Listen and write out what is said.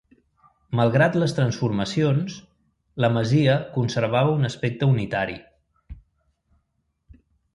Malgrat les transformacions, la masia conservava un aspecte unitari.